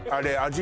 味